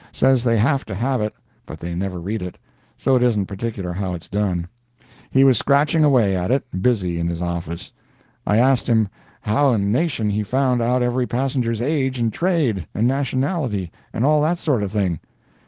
Says they have to have it, but they never read it, so it isn't particular how it's done. He was scratching away at it, busy, in his office. I asked him how in the nation he found out every passenger's age and trade, and nationality, and all that sort of thing?